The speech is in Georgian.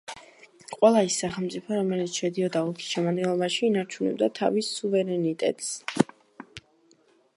ყველა ის სახელმწიფო, რომელიც შედიოდა ოლქის შემადგენლობაში, ინარჩუნებდა თავის სუვერენიტეტს.